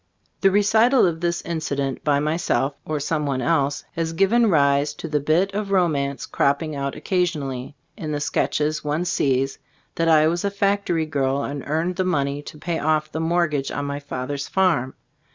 The recital of this incident by my self, or some one else, has given rise to the bit of romance cropping out oc casionally, in the sketches one sees, that I was a factory girl and earned the money to pay off the mortgage on my father's farm.